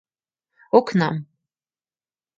Окнам